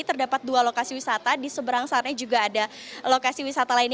terdapat dua lokasi wisata di seberang sana juga ada lokasi wisata lainnya